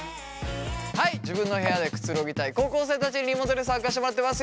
はい自分の部屋でくつろぎたい高校生たちにリモートで参加してもらってます。